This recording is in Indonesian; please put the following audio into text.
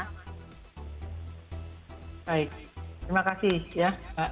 baik terima kasih ya